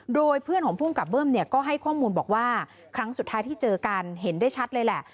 โดยเพื่อนของภูมิกับเบิ้มเนี่ยก็ให้ข้อมูลบอกว่าครั้งสุดท้ายที่เจอกันเห็นได้ชัดเลยแหละ